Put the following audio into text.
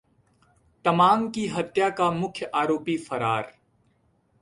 तमांग की हत्या का मुख्य आरोपी फरार